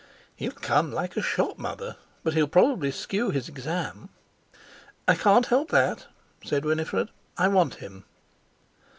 "He'll come like a shot, Mother. But he'll probably skew his Exam." "I can't help that," said Winifred. "I want him."